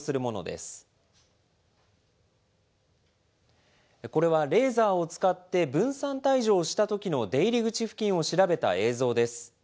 これはレーザーを使って分散退場したときの出入り口付近を調べた映像です。